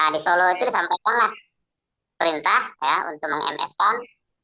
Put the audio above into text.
di solo itu disampaikanlah perintah untuk meng ms kan